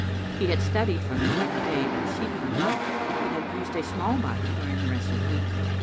He had studied from it on the day preceding the riot, but had used a small Bible during the rest of the week.